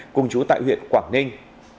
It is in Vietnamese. cùng trú tại huyện quảng ninh